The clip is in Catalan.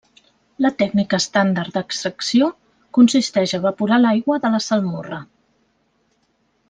La tècnica estàndard d'extracció consisteix a evaporar l'aigua de la salmorra.